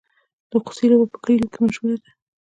د خوسي لوبه په کلیو کې مشهوره ده.